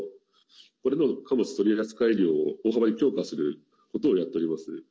これの貨物取扱量を大幅に強化することをやっております。